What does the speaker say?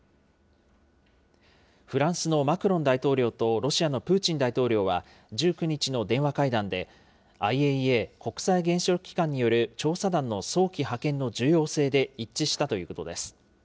フランスのマクロン大統領とロシアのプーチン大統領は、１９日の電話会談で、ＩＡＥＡ・国際原子力機関による調査団の早期派遣の重要性で一致したということです。